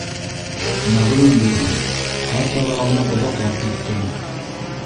Мәғлүм булһын, хат яҙа алмай оҙаҡлап киттем.